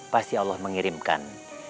pasti allah mengirimkan